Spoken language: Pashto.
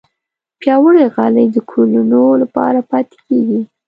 پیاوړې غالۍ د کلونو لپاره پاتې کېږي.